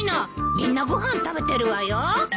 みんなご飯食べてるわよ。